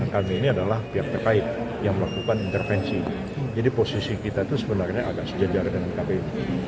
kami ini adalah pihak terkait yang melakukan intervensi jadi posisi kita itu sebenarnya agak sejajar dengan kpu